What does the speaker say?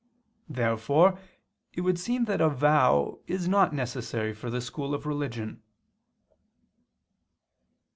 Therefore it would seem that a vow is not necessary for the school of religion.